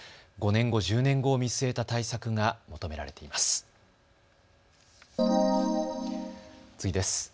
５年後、１０年後を見据えた対策が求められています。